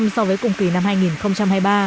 so với cùng kỳ năm hai nghìn hai mươi ba